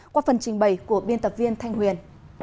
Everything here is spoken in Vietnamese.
qua phần trình bày của biên tập viên thanh huyền